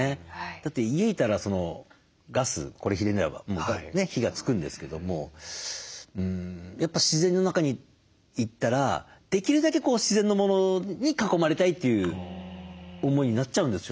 だって家いたらガスこれひねれば火がつくんですけどもやっぱ自然の中に行ったらできるだけ自然のものに囲まれたいという思いになっちゃうんですよね。